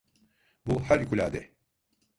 Bu harikulade.